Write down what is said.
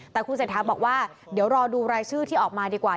แต่คุณเศรษฐาบอกว่าเดี๋ยวรอดูรายชื่อที่ออกมาดีกว่า